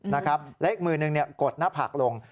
และอีกมือหนึ่งกดหน้าผากลง